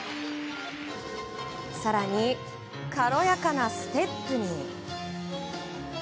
更に軽やかなステップに。